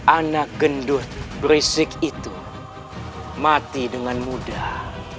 anak gendut risik itu mati dengan mudah